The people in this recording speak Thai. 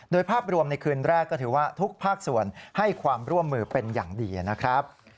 โดยภาพรวมในคืนแรกก็ถือว่าทุกภาคส่วนให้ความร่วมมือเป็นอย่างดีนะครับ